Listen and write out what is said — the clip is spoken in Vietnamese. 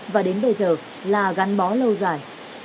và đến bây giờ là gắn bó lâu dài